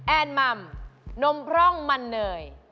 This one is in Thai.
แอนมัมนมพร่องมันเนย